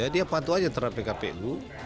dia patuh aja terhadap pkpu